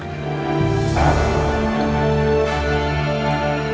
lu menebak di sana